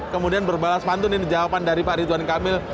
kemudian berbalas pantun ini jawaban dari pak ridwan kamil